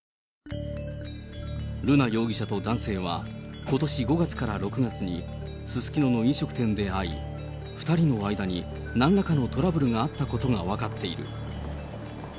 瑠奈容疑者と男性は、ことし５月から６月に、すすきのの飲食店で会い、２人の間になんらかのトラブルがあったことが分かっている。